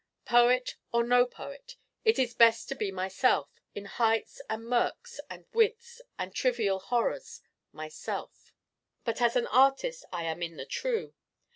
poet or no poet, it is best to be myself. In heights and murks and widths and trivial horrors, myself But as an Artist I am in the true.